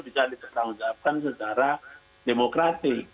bisa dipertanggungjawabkan secara demokratik